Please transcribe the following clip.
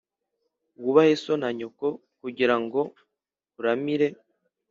Wubahe so na nyoko kugira ngo uramire